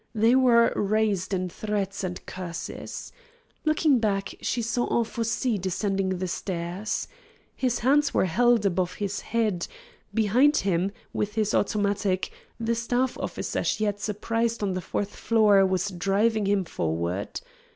They were raised in threats and curses. Looking back, she saw Anfossi descending the stairs. His hands were held above his head; behind him, with his automatic, the staff officer she had surprised on the fourth floor was driving him forward.